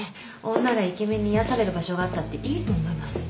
女がイケメンに癒やされる場所があったっていいと思います。